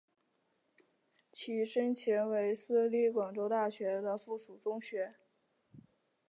其前身为私立广州大学的附属中学。